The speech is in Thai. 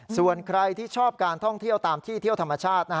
ส่วนใครที่ชอบการท่องเที่ยวตามที่เที่ยวธรรมชาติ